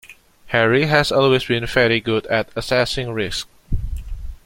Harry has always been very good at assessing risk